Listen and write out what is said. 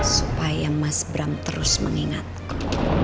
supaya mas bram terus mengingatku